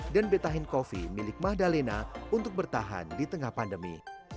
dan betahin coffee milik mahdalena untuk bertahan di tengah pandemi